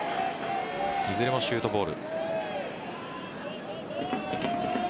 いずれもシュートボール。